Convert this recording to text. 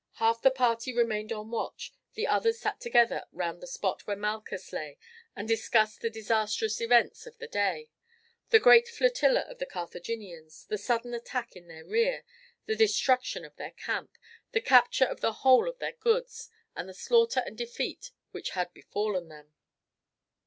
Half the party remained on watch, the others sat together round the spot where Malchus lay and discussed the disastrous events of the day the great flotilla of the Carthaginians, the sudden attack in their rear, the destruction of their camp, the capture of the whole of their goods, and the slaughter and defeat which had befallen them.